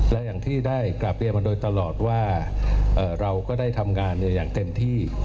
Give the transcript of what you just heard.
และอย่างที่ได้กราบเรียนมาโดยตลอดว่าเราก็ได้ทำงานอย่างเต็มที่